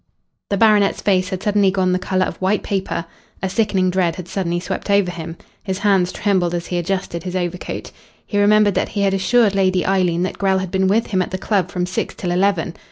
The baronet's face had suddenly gone the colour of white paper. A sickening dread had suddenly swept over him. His hands trembled as he adjusted his overcoat. He remembered that he had assured Lady Eileen that Grell had been with him at the club from six till eleven.